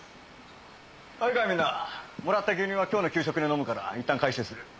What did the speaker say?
いいかみんなもらった牛乳は今日の給食で飲むからいったん回収する。